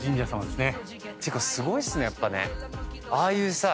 ていうかすごいっすねやっぱね。